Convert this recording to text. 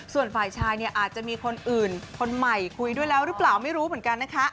ส่วนฝ่ายชายเนี่ยอาจจะมีคนอื่นคนใหม่คุยด้วยแล้วหรือเปล่าไม่รู้เหมือนกันนะคะ